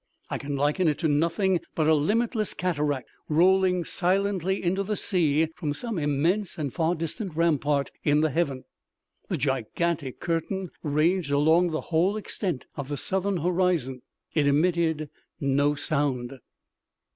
I can liken it to nothing but a limitless cataract, rolling silently into the sea from some immense and far distant rampart in the heaven. The gigantic curtain ranged along the whole extent of the southern horizon. It emitted no sound.